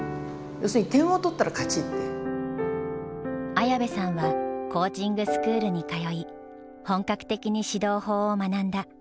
綾部さんはコーチングスクールに通い本格的に指導法を学んだ。